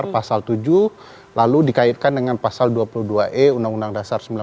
pasal tujuh lalu dikaitkan dengan pasal dua puluh dua e uud seribu sembilan ratus empat puluh lima